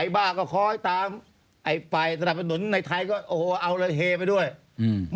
บ้าก็คอยตามไอ้ฝ่ายสนับสนุนในไทยก็โอ้โหเอาเลยเฮไปด้วยอืม